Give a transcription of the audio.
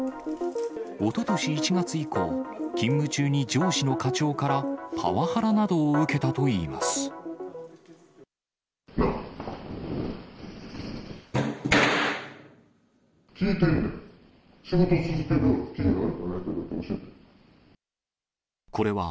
おととし１月以降、勤務中に上司の課長から、パワハラなどを受けたといいます。なぁ？